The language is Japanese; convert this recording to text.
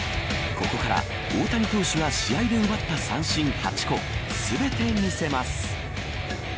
ここから大谷投手が試合で奪った三振８個全て見せます。